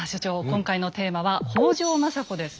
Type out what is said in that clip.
今回のテーマは「北条政子」です。